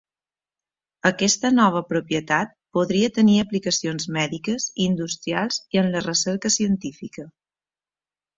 Aquesta nova propietat podria tenir aplicacions mèdiques, industrials i en la recerca científica.